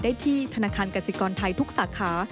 ได้ที่ธนาคารกสิกรไทยทุกสาขา